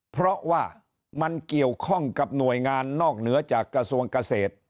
เพราะว่ามันเกี่ยวข้องกับหน่วยงานนอกเหนือจากกระทรวงเกษตร